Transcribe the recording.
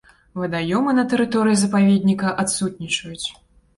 Вадаёмы на тэрыторыі запаведніка адсутнічаюць.